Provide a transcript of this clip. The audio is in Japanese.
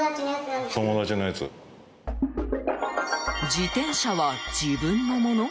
自転車は、自分のもの？